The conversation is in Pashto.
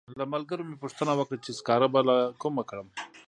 له ملګرو مې پوښتنه وکړه چې سکاره به له کومه کړم.